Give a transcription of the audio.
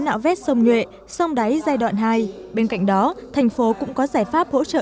nạo vét sông nhuệ sông đáy giai đoạn hai bên cạnh đó thành phố cũng có giải pháp hỗ trợ